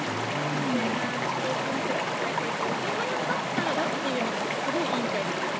冷静な自己分析とホームランバッターだというのがすごいいいみたいですね。